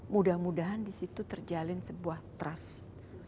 mudah mudahan disitu terjalin sebuah trust